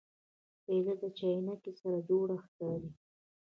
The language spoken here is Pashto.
پیاله له چاینکي سره جوړه ښکاري.